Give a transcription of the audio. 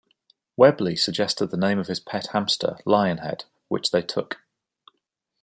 Webley suggested the name of his pet hamster, Lionhead, which they took.